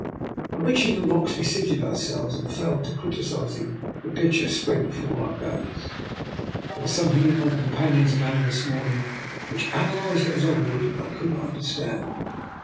On reaching the rocks, we seated our selves, and fell to criticising the picture spread out before our gaze. There was something in my companion's manner this morning which, analyse it as I would, I could not understand.